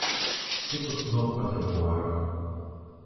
Тупат ног па тратуарах.